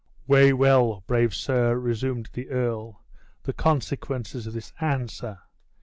"Weigh well, brave sir," resumed the earl, "the consequences of this answer.